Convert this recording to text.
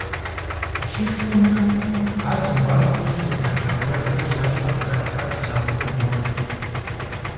Пщышхуэмрэ ар зи гъуазэу лъы зыгъэжа уэрымрэ я щхьэр кърахащ зауэ губгъуэм.